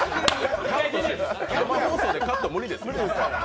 生放送でカット無理ですよ。